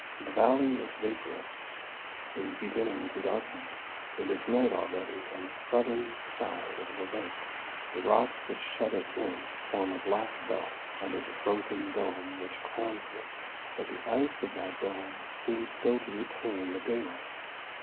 The valley is vaporous ; it is beginning to darken. It is night already on the southern side of the lake ; the rocks which shut it in form a black belt under the frozen dome which crowns them, but the ice of that dome seems still to retain the daylight.